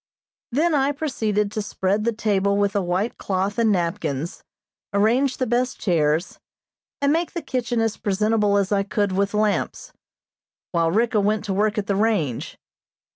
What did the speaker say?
Then I proceeded to spread the table with a white cloth and napkins, arrange the best chairs, and make the kitchen as presentable as I could with lamps, while Ricka went to work at the range.